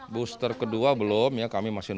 booster kedua belum ya kami masih